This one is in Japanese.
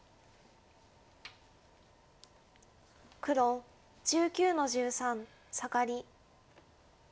黒１９の十三サガリ。